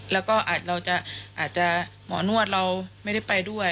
แล้วก็อาจจะหมอนวดเราไม่ได้ไปด้วย